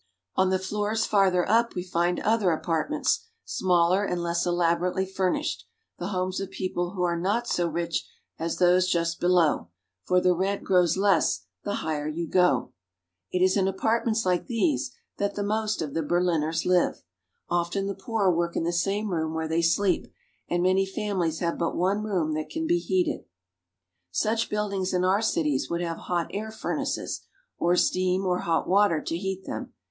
On the floors farther up we find other apart ments, smaller and less elaborately furnished, the homes of people who are not so rich as those just below, for the rent grows less the higher you go. It is in apartments "— going by the statue of Frederick the Great." like these that the most of the Berliners live. Often the poor work in the same room where they sleep, and many families have but one room that can be heated. Such buildings in our cities would have hot air furnaces, or steam or hot water to heat them.